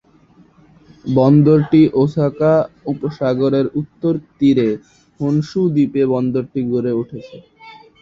বন্দরটি Osaka উপসাগরের উত্তর তীরে হোনশু দ্বীপে বন্দরটি গড়ে উঠেছে।